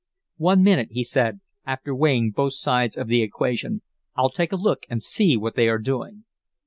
"One minute," he said, after weighing both sides of the question, "I'll take a look and see what they are doing."